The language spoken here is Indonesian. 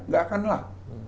gak akan lah